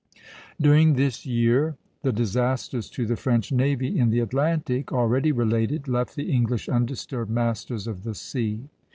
During this year the disasters to the French navy in the Atlantic, already related, left the English undisturbed masters of the sea.